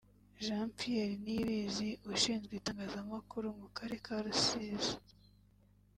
Jean Pierre Niyibizi/Ushinzwe Itangazamakuru mu karere ka Rusizi